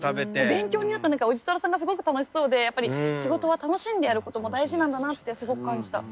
勉強になった何かおじとらさんがすごく楽しそうでやっぱり仕事は楽しんでやることも大事なんだなってすごく感じた。